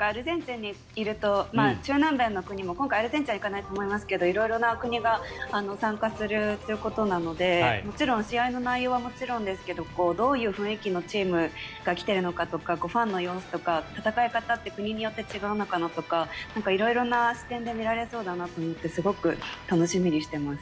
アルゼンチンにいると中南米の国も今回、アルゼンチンは行かないと思いますが色々な国が参加するということなので試合の内容はもちろんですけどどういう雰囲気のチームが来てるのかとかファンの様子とか戦い方って国によって違うのかなとか色々な視点で見られそうだなと思ってすごく楽しみにしてます。